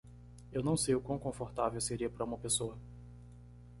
Eu não sei o quão confortável seria para uma pessoa.